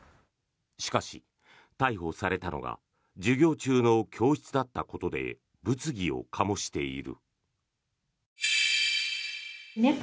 しかし、逮捕されたのが授業中の教室だったことで物議を醸している。